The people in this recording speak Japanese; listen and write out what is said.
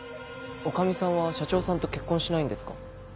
女将さんは社長さんと結婚しないんですか？